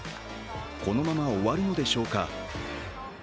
このまま終わるのでしょうか。